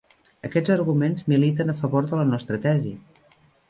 Aquests arguments militen a favor de la nostra tesi.